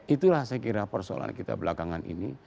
itulah saya kira persoalan kita belakangan ini